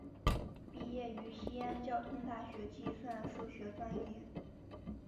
毕业于西安交通大学计算数学专业。